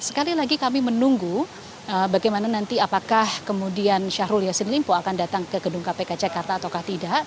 sekali lagi kami menunggu bagaimana nanti apakah kemudian syahrul yassin limpo akan datang ke gedung kpk jakarta atau tidak